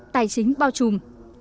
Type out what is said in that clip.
tài chính bao trùm